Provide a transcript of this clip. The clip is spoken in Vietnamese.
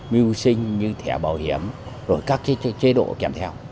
mưu sinh như thẻ bảo hiểm rồi các chế độ kèm theo